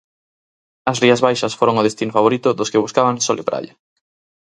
As Rías Baixas foron o destino favorito dos que buscaban sol e praia.